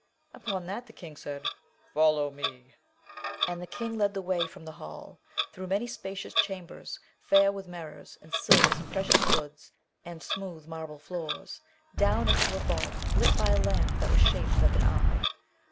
Upon that the King said, 'Follow me!' And the King led the way from the hall, through many spacious chambers fair with mirrors and silks and precious woods, and smooth marble floors, down into a vault lit by a lamp that was shaped like an eye.